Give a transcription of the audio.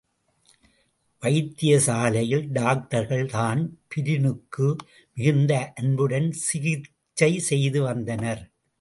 வைத்திய சாலையில் டாக்டர்கள் தான்பிரீனுக்கு மிகுந்த அன்புடன் சிகிச்சை செய்து வந்தனர்.